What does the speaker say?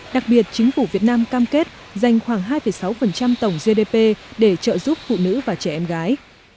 đặc biệt chính phủ việt nam cam kết dành khoảng hai sáu tổng gdp để trợ giúp phụ nữ và trẻ em gái